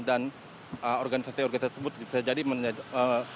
dan organisasi organisasi tersebut bisa jadi menyebabkan